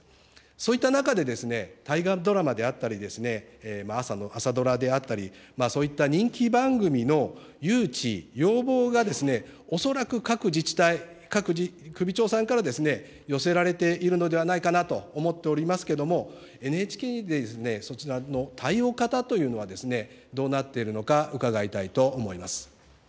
そういった中で、大河ドラマであったり、朝の朝ドラであったり、そういった人気番組の誘致要望が、恐らく各自治体、各首長さんから寄せられているのではないかなと思っておりますけれども、ＮＨＫで、そちらの対応方というのはどうなっているのか、伺いたいと思います。